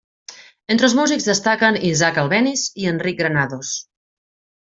Entre els músics destaquen Isaac Albéniz i Enric Granados.